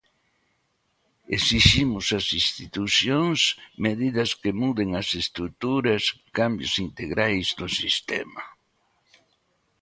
Esiximos ás institucións medidas que muden as estruturas, cambios integrais do sistema.